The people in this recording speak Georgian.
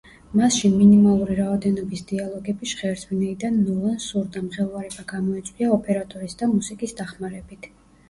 მასში მინიმალური რაოდენობის დიალოგები ჟღერს, ვინაიდან ნოლანს სურდა, მღელვარება გამოეწვია ოპერატორის და მუსიკის დახმარებით.